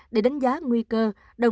để đánh giá nguy cơ